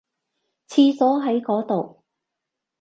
廁所喺嗰度